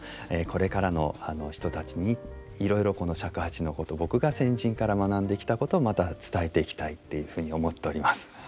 これからの人たちにいろいろこの尺八のこと僕が先人から学んできたことをまた伝えていきたいっていうふうに思っております。